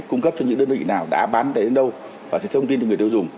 cung cấp cho những đơn vị nào đã bán đến đâu và sẽ thông tin cho người tiêu dùng